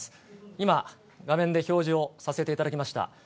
今、画面で表示をさせていただきました。